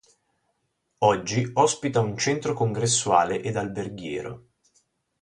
Oggi ospita un centro congressuale ed alberghiero.